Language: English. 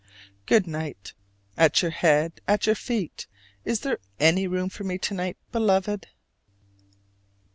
Good night! At your head, at your feet, is there any room for me to night, Beloved?